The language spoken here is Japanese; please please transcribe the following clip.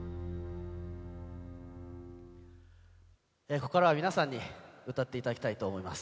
ここからは皆さんに歌っていただきたいと思います。